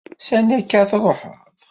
Sani akka ara truḥeḍ?